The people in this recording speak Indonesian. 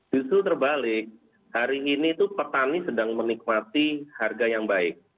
justru terbalik hari ini itu petani sedang menikmati harga yang baik